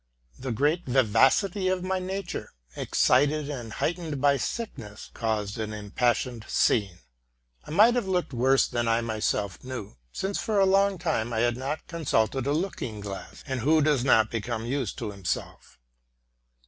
The great vivacity of my nature, excited and heightened by sick ness, caused an impassioned scene. I might have looked worse than I myself knew, since for a long time I had not consulted a looking glass ; and who does not become used to himself?